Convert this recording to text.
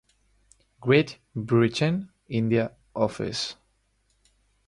Great Britain India Office.